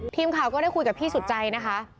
ทีมข่าวก็ได้คุยกับพี่สุดใจนะคะ